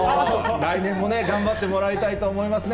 来年もね、頑張ってもらいたいと思いますね。